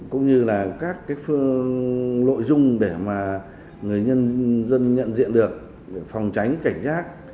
cũng như là các cái phương nội dung để mà người dân nhận diện được phòng tránh cảnh giác